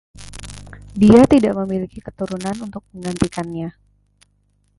Dia tidak memiliki keturunan untuk menggantikannya.